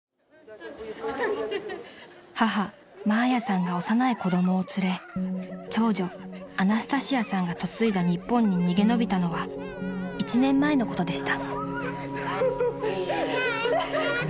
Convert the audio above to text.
［母マーヤさんが幼い子供を連れ長女アナスタシアさんが嫁いだ日本に逃げ延びたのは１年前のことでした］